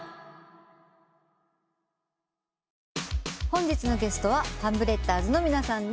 本日のゲストはハンブレッダーズの皆さんです。